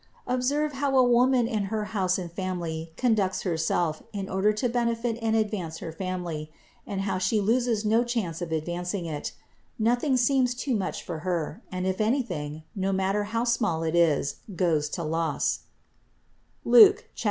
Observe how a woman in her house and family conducts herself in order to benefit and advance 352 CITY OF GOD her family, and how she loses no chance of advancing it ; nothing seems too much for her, and if anything, no matter how small it is, goes to loss (Lucas.